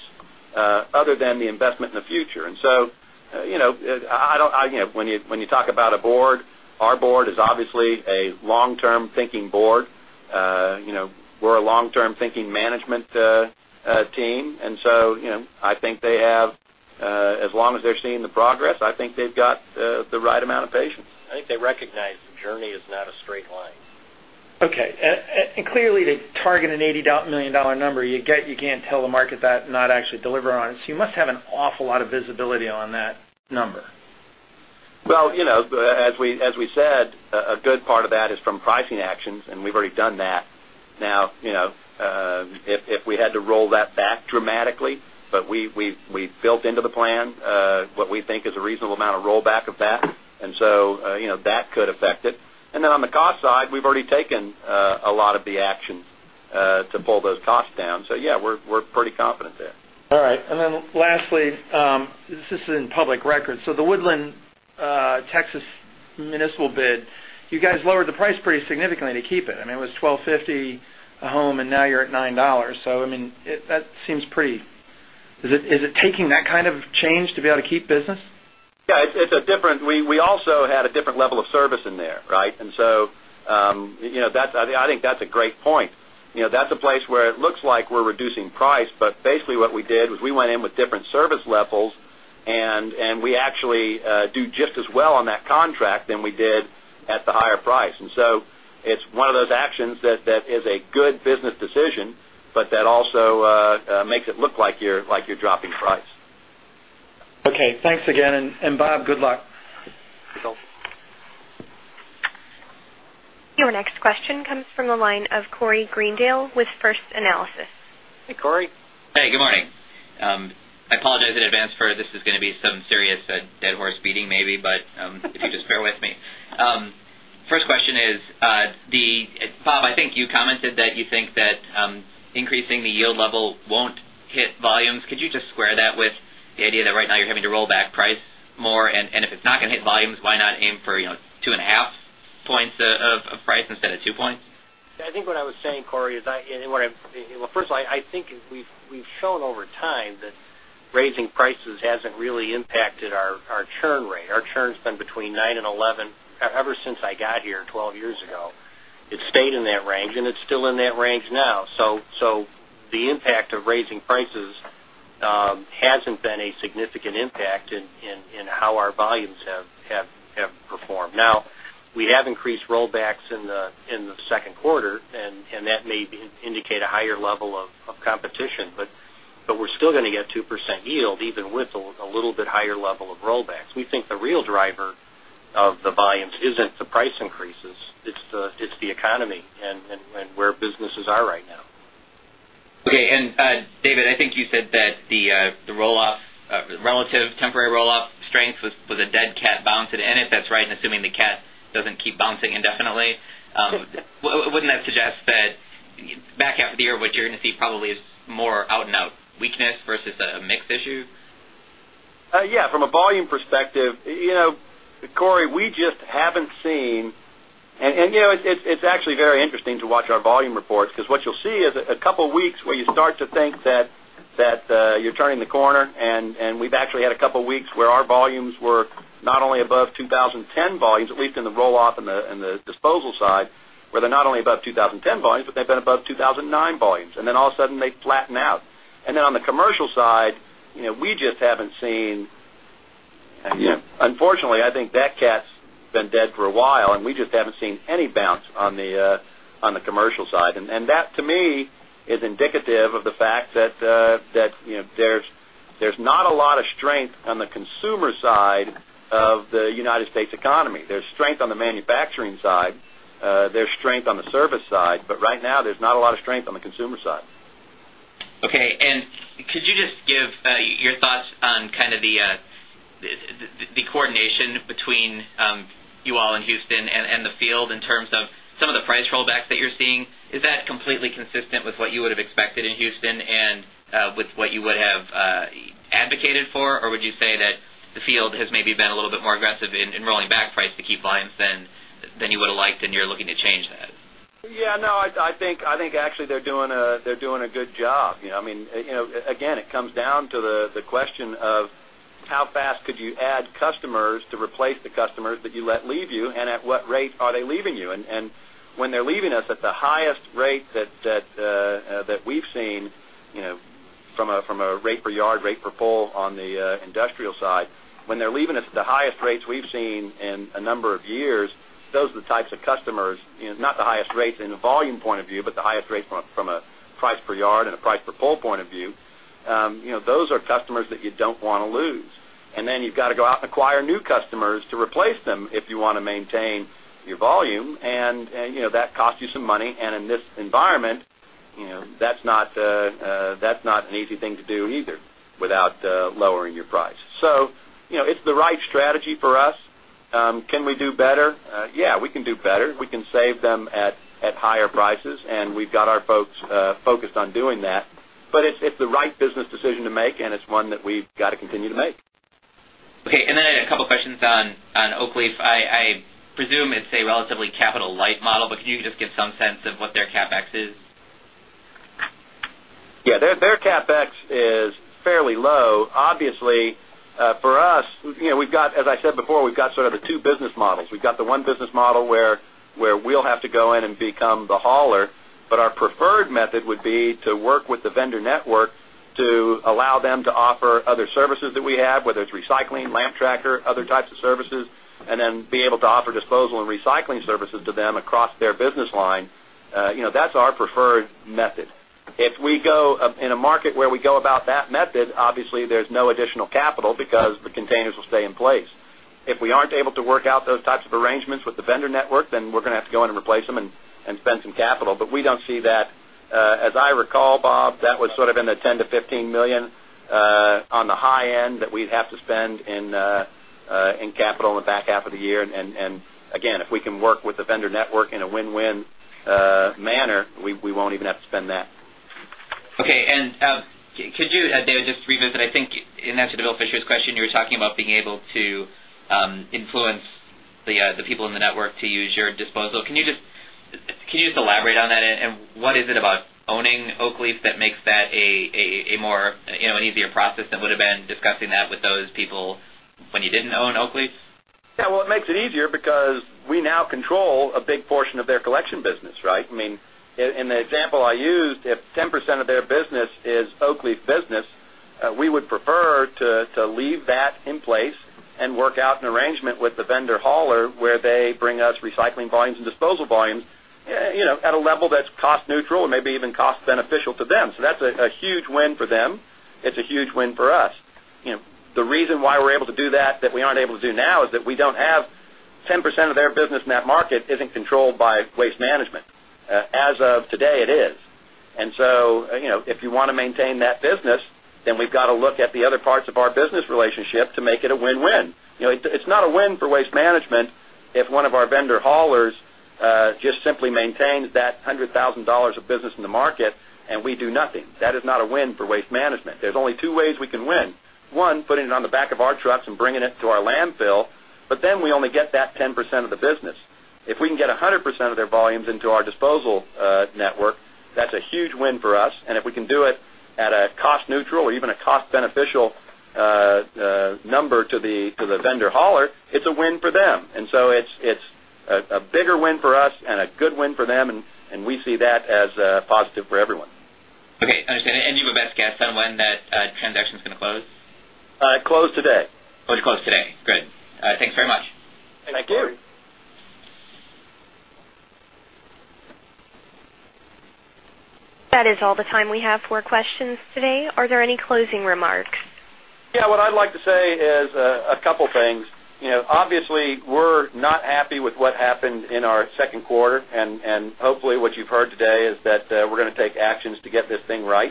[SPEAKER 3] other than the investment in the future. I don't, you know, when you talk about a board, our board is obviously a long-term thinking board. We're a long-term thinking management team. I think they have, as long as they're seeing the progress, I think they've got the right amount of patience. I think they recognize the journey is not a straight line.
[SPEAKER 9] Clearly, they target an $80 million number. You can't tell the market that and not actually deliver on it. You must have an awful lot of visibility on that number.
[SPEAKER 3] As we said, a good part of that is from pricing actions, and we've already done that. If we had to roll that back dramatically, we've built into the plan what we think is a reasonable amount of rollback of that, and that could affect it. On the cost side, we've already taken a lot of the actions to pull those costs down, so we're pretty confident there.
[SPEAKER 9] All right. Lastly, this is in public records. The Woodland, Texas municipal bid, you guys lowered the price pretty significantly to keep it. I mean, it was $12.50 a home, and now you're at $9. That seems pretty, is it taking that kind of change to be able to keep business?
[SPEAKER 3] Yeah, it's different, we also had a different level of service in there, right? I think that's a great point. That's a place where it looks like we're reducing price, but basically what we did was we went in with different service levels, and we actually do just as well on that contract than we did at the higher price. It's one of those actions that is a good business decision, but that also makes it look like you're dropping price.
[SPEAKER 9] Okay. Thanks again. Bob, good luck.
[SPEAKER 4] Thanks, Al.
[SPEAKER 1] Your next question comes from the line of Corey Greendale with First Analysis.
[SPEAKER 4] Hey, Corey.
[SPEAKER 10] Hey, good morning. I apologize in advance for this is going to be some serious dead horse beating maybe, but if you just bear with me. First question is, Bob, I think you commented that you think that increasing the yield level won't hit volumes. Could you just square that with the idea that right now you're having to roll back price more? If it's not going to hit volumes, why not aim for, you know, 2.5 points of price instead of 2 points?
[SPEAKER 4] I think what I was saying, Corey, is that, first of all, I think we've shown over time that raising prices hasn't really impacted our churn rate. Our churn's been between 9% and 11% ever since I got here 12 years ago. It stayed in that range, and it's still in that range now. The impact of raising prices hasn't been a significant impact in how our volumes have performed. We have increased rollbacks in the second quarter, and that may indicate a higher level of competition, but we're still going to get 2% yield even with a little bit higher level of rollbacks. We think the real driver of the volumes isn't the price increases. It's the economy and where businesses are right now.
[SPEAKER 10] Okay. David, I think you said that the relative temporary rolloff strength was a dead cat bounce. If that's right, and assuming the cat doesn't keep bouncing indefinitely, wouldn't that suggest that back half of the year, what you're going to see probably is more out and out weakness versus a mix issue?
[SPEAKER 3] Yeah, from a volume perspective, you know, Corey, we just haven't seen, and it's actually very interesting to watch our volume reports because what you'll see is a couple of weeks where you start to think that you're turning the corner. We've actually had a couple of weeks where our volumes were not only above 2010 volumes, at least in the rolloff and the disposal side, where they're not only above 2010 volumes, but they've been above 2009 volumes. All of a sudden, they flatten out. On the commercial side, we just haven't seen, unfortunately, I think that cat's been dead for a while, and we just haven't seen any bounce on the commercial side. That, to me, is indicative of the fact that there's not a lot of strength on the consumer side of the United States economy. There's strength on the manufacturing side. There's strength on the service side. Right now, there's not a lot of strength on the consumer side.
[SPEAKER 10] Okay. Could you just give your thoughts on the coordination between you all in Houston and the field in terms of some of the price rollbacks that you're seeing? Is that completely consistent with what you would have expected in Houston and with what you would have advocated for? Would you say that the field has maybe been a little bit more aggressive in rolling back price to keep volumes than you would have liked, and you're looking to change that?
[SPEAKER 3] Yeah, no, I think actually they're doing a good job. It comes down to the question of how fast could you add customers to replace the customers that you let leave you, and at what rate are they leaving you? When they're leaving us at the highest rate that we've seen from a rate per yard, rate per pull on the industrial side, when they're leaving us at the highest rates we've seen in a number of years, those are the types of customers, not the highest rates in a volume point of view, but the highest rates from a price per yard and a price per pull point of view. Those are customers that you don't want to lose. Then you've got to go out and acquire new customers to replace them if you want to maintain your volume. That costs you some money. In this environment, that's not an easy thing to do either without lowering your price. It's the right strategy for us. Can we do better? Yeah, we can do better. We can save them at higher prices, and we've got our folks focused on doing that. It's the right business decision to make, and it's one that we've got to continue to make.
[SPEAKER 10] Okay. I had a couple of questions on Oakleaf. I presume it's a relatively capital light model, but can you just give some sense of what their CapEx is?
[SPEAKER 3] Yeah, their CapEx is fairly low. Obviously, for us, you know, we've got, as I said before, we've got sort of the two business models. We've got the one business model where we'll have to go in and become the hauler, but our preferred method would be to work with the vendor network to allow them to offer other services that we have, whether it's recycling, lamp tracker, other types of services, and then be able to offer disposal and recycling services to them across their business line. That's our preferred method. If we go in a market where we go about that method, obviously, there's no additional capital because the containers will stay in place. If we aren't able to work out those types of arrangements with the vendor network, then we're going to have to go in and replace them and spend some capital. We don't see that. As I recall, Bob, that was sort of in the $10 million-$15 million on the high end that we'd have to spend in capital in the back half of the year. Again, if we can work with the vendor network in a win-win manner, we won't even have to spend that.
[SPEAKER 10] Okay. Could you, David, just revisit? I think in answer to Bill Fisher's question, you were talking about being able to influence the people in the network to use your disposal. Could you just elaborate on that? What is it about owning Oakleaf that makes that a more, you know, an easier process than it would have been discussing that with those people when you didn't own Oakleaf?
[SPEAKER 3] Yeah, it makes it easier because we now control a big portion of their collection business, right? I mean, in the example I used, if 10% of their business is Oakleaf business, we would prefer to leave that in place and work out an arrangement with the vendor hauler where they bring us recycling volumes and disposal volumes at a level that's cost neutral and maybe even cost beneficial to them. That's a huge win for them. It's a huge win for us. The reason why we're able to do that that we aren't able to do now is that we don't have 10% of their business in that market controlled by Waste Management. As of today, it is. If you want to maintain that business, then we've got to look at the other parts of our business relationship to make it a win-win. It's not a win for Waste Management if one of our vendor haulers just simply maintains that $100,000 of business in the market and we do nothing. That is not a win for Waste Management. There are only two ways we can win. One, putting it on the back of our trucks and bringing it to our landfill, but then we only get that 10% of the business. If we can get 100% of their volumes into our disposal network, that's a huge win for us. If we can do it at a cost neutral or even a cost beneficial number to the vendor hauler, it's a win for them. It's a bigger win for us and a good win for them, and we see that as positive for everyone.
[SPEAKER 10] Okay, I understand. Do you have a best guess on when that transaction is going to close?
[SPEAKER 3] Close today.
[SPEAKER 10] Oh, you close today. Good. Thanks very much.
[SPEAKER 3] Thank you.
[SPEAKER 1] That is all the time we have for questions today. Are there any closing remarks?
[SPEAKER 3] Yeah, what I'd like to say is a couple of things. Obviously, we're not happy with what happened in our second quarter, and hopefully, what you've heard today is that we're going to take actions to get this thing right.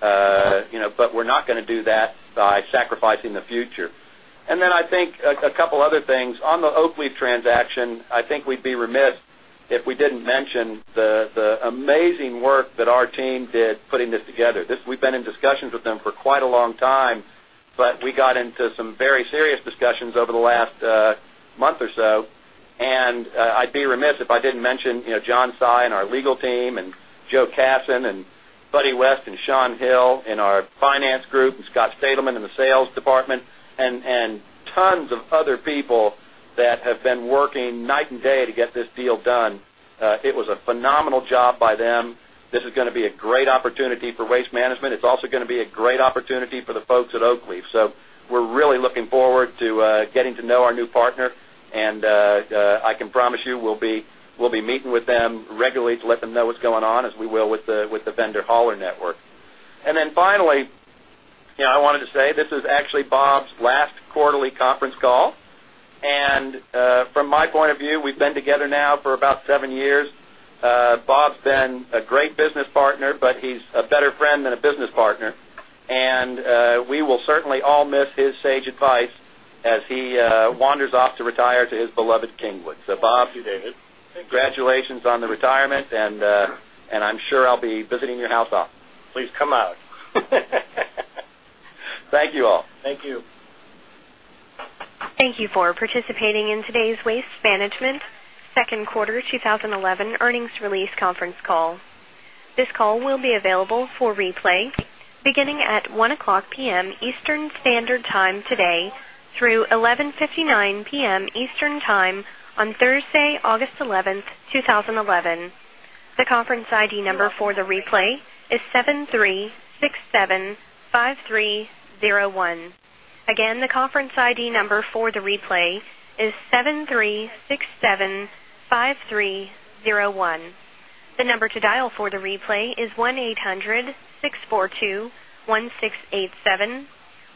[SPEAKER 3] We're not going to do that by sacrificing the future. I think a couple of other things. On the Oakleaf transaction, I think we'd be remiss if we didn't mention the amazing work that our team did putting this together. We've been in discussions with them for quite a long time, but we got into some very serious discussions over the last month or so. I'd be remiss if I didn't mention, you know, John Tsai in our legal team and Joe Cassin and Buddy West and Sean Hill in our finance group and Scott Stadelman in the sales department and tons of other people that have been working night and day to get this deal done. It was a phenomenal job by them. This is going to be a great opportunity for Waste Management. It's also going to be a great opportunity for the folks at Oakleaf. We're really looking forward to getting to know our new partner, and I can promise you we'll be meeting with them regularly to let them know what's going on, as we will with the vendor hauler network. Finally, I wanted to say this is actually Bob's last quarterly conference call. From my point of view, we've been together now for about seven years. Bob's been a great business partner, but he's a better friend than a business partner. We will certainly all miss his sage advice as he wanders off to retire to his beloved Kingwood. So Bob.
[SPEAKER 4] Thank you, David.
[SPEAKER 3] Congratulations on the retirement, and I'm sure I'll be visiting your house often.
[SPEAKER 4] Please come out.
[SPEAKER 3] Thank you all.
[SPEAKER 4] Thank you.
[SPEAKER 1] Thank you for participating in today's Waste Management second quarter 2011 earnings release conference call. This call will be available for replay beginning at 1:00 P.M. Eastern Standard Time today through 11:59 P.M. Eastern Time on Thursday, August 11, 2011. The conference ID number for the replay is 73675301. Again, the conference ID number for the replay is 73675301. The number to dial for the replay is 1-800-642-1687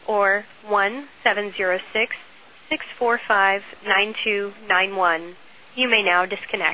[SPEAKER 1] or 1-706-645-9291. You may now disconnect.